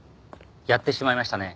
やってしまいましたね。